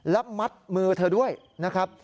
และมัดมือเธอด้วยนะครับ